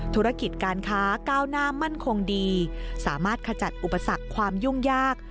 ธุรกิจการค้าก้าวหน้ามั่นคงดีสามารถขจัดอุปสรรคความยุ่งยาก